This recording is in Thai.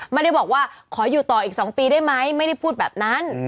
ไม่ได้บอกว่าขออยู่ต่ออีก๒ปีได้ไหมไม่ได้พูดแบบนั้น